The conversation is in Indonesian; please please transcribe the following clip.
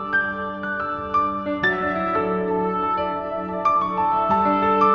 kamu lihat bun coaches tu itu